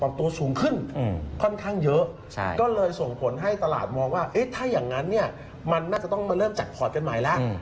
เป็นตัวสูงขึ้นค่อนข้างเยอะก็เลยส่งผลให้ตลาดมองว่าที่มันน่าจะต้องมาเริ่มจักรพอร์ถกันใหม่แล้ว